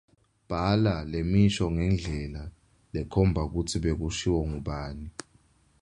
Bhala lemisho ngendlela lekhomba kutsi bekushiwo ngubani.